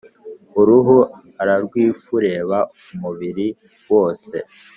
uruhu ararwifureba umubiri wose